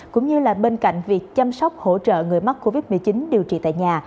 cũng như là bên cạnh việc chăm sóc hỗ trợ người mắc covid một mươi chín điều trị tại nhà